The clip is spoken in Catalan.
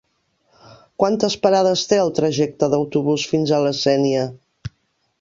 Quantes parades té el trajecte en autobús fins a la Sénia?